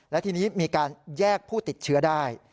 และทีนี้มีการแยกผู้ติดเชื้อได้